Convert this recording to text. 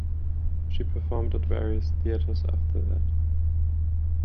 She performed at various theaters after that.